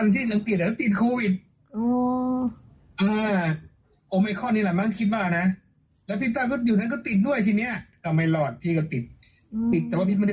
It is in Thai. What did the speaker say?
น้องที่บ้านที่อยากติดแต่ติดโควิด